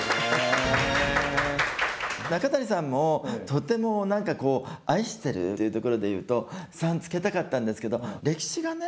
中谷さんもとても愛してるっていうところでいうと３つけたかったんですけど歴史がね